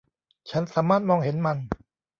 ฉันสามารถมองเห็นมัน